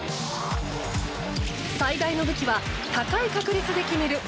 最大の武器は高い確率で決める